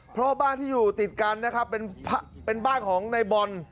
เพราะบ้านที่อยู่ติดกันนะครับเป็นบ้านของในบอล